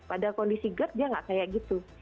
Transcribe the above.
pada kondisi gerd dia nggak kayak gitu